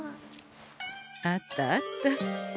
あったあった。